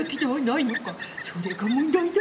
それが問題だ。